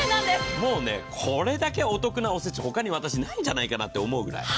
もうね、これだけお得なおせちほかにないんじゃないかと思うぐらい。